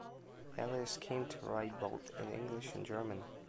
Elias came to write both in English and German.